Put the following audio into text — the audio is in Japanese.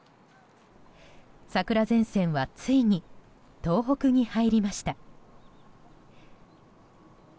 桜前線はついに東北に入りました。